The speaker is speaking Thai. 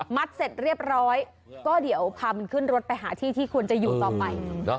มัดเสร็จเรียบร้อยก็เดี๋ยวพามันต้องขึ้นรถไปหาที่ที่อยู่ต่อไป